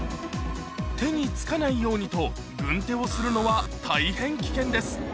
手につかないようにと、軍手をするのは大変危険です。